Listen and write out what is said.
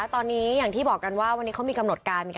ตอนนี้อย่างที่บอกกันว่าวันนี้เขามีกำหนดการ